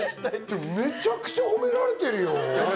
めちゃくちゃ褒められてるよ。